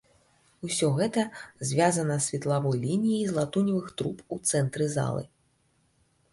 Усё гэта звязана светлавой лініяй з латуневых труб у цэнтры залы.